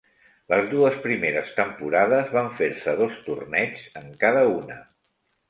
Les dues primeres temporades van fer-se dos torneigs en cada una.